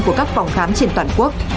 của các phòng khám trên toàn quốc